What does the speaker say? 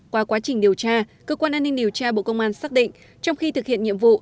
qua quá trình điều tra cơ quan an ninh điều tra bộ công an xác định trong khi thực hiện nhiệm vụ